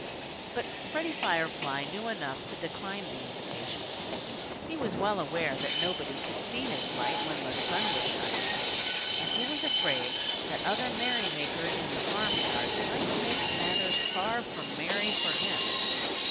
But Freddie Firefly knew enough to decline the invitation. He was well aware that nobody could see his light when the sun was shining. And he was afraid that other merrymakers in the farmyard might make matters far from merry for him.